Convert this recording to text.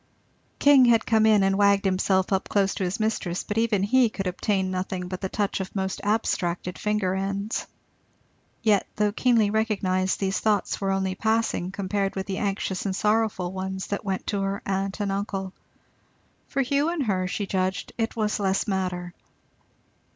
King had come in and wagged himself up close to his mistress, but even he could obtain nothing but the touch of most abstracted finger ends. Yet, though keenly recognized, these thoughts were only passing compared with the anxious and sorrowful ones that went to her aunt and uncle; for Hugh and her, she judged, it was less matter.